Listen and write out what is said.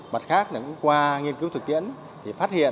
mặt khác cũng qua nghiên cứu thực tiễn thì phát hiện